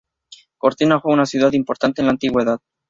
Gortina fue una ciudad importante en la Antigüedad.